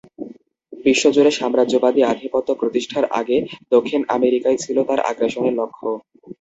বিশ্বজুড়ে সাম্রাজ্যবাদী আধিপত্য প্রতিষ্ঠার আগে দক্ষিণ আমেরিকাই ছিল তার আগ্রাসনের লক্ষ্য।